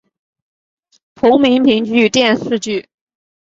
同名评剧电视剧